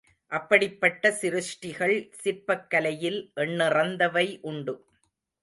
அப்படிப்பட்ட சிருஷ்டிகள் சிற்பக் கலையில் எண்ணிறந்தவை உண்டு.